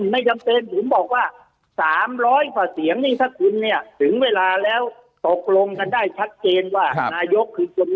ไม่จำเป็นผมบอกว่าสามร้อยค่ะเสียงนี่หรอคุณเนี่ยหรือเวลาแล้วตกลงกันได้ชัดเจนว่านายกคือกับ